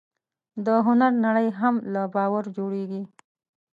د هنر نړۍ هم له باور جوړېږي.